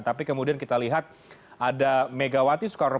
tapi kemudian kita lihat ada megawati soekarno